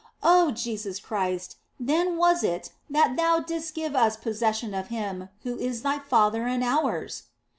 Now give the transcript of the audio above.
Oh Jesus Christ, then was it that Thou didst give us possession of Him who is Thy Father and ours